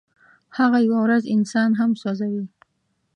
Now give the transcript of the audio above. هغه یوه ورځ انسان هم سوځوي.